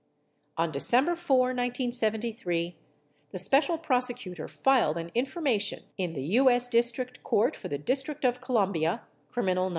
On December 4, 1973, the Special Prosecutor filed an information in the U.S. District Court for the District of Columbia (Criminal No.